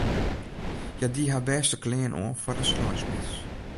Hja die har bêste klean oan foar de sneinsmis.